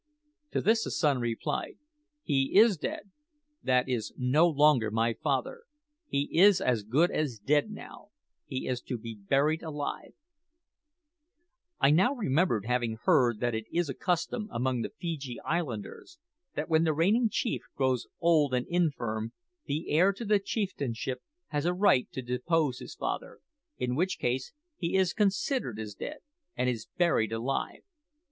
"To this the son replied, `He is dead. That is no longer my father. He is as good as dead now. He is to be buried alive.' "I now remembered having heard that it is a custom among the Feejee Islanders that when the reigning chief grows old and infirm, the heir to the chieftainship has a right to depose his father, in which case he is considered as dead, and is buried alive.